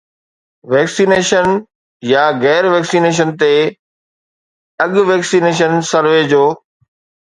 Vaccination يا غير vaccination تي اڳ-ويڪسينيشن سروي ڇو؟